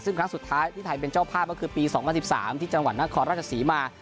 ซึ่งครั้งสุดท้ายที่ไทยเป็นเจ้าภาพก็คือปี๒๐๑๓ที่จังหวัดนครราชศรีมา